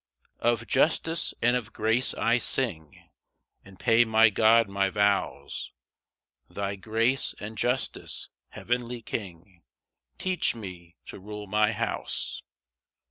1 Of justice and of grace I sing, And pay my God my vows; Thy grace and justice, heavenly King, Teach me to rule my house.